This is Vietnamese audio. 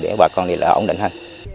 để bà con đi lại ổn định hơn